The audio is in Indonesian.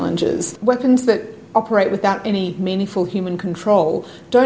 senjata yang beroperasi tanpa kontrol manusia yang berarti